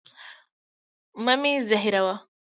مه مي زهيروه.